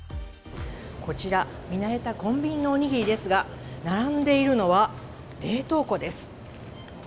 こちら、見慣れたコンビニのおにぎりですが、並んでいるのは冷凍庫です。